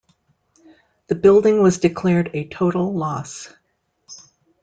The building was declared a total loss.